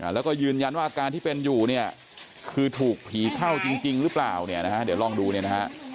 แล้วก็ยืนยันว่าอาการที่เป็นอยู่เนี่ยคือถูกผีเข้าจริงหรือเปล่าเนี่ยนะฮะเดี๋ยวลองดูเนี่ยนะฮะ